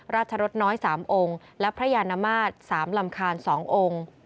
รสน้อย๓องค์และพระยานมาตร๓ลำคาญ๒องค์